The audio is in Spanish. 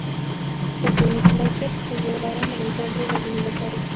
Resumen: Lakers se llevaron el encuentro y la eliminatoria.